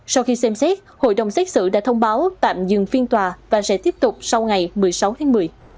sau khi xem xét hội đồng xét xử đã thông báo tạm dừng phiên tòa và sẽ tiếp tục sau ngày một mươi sáu tháng một mươi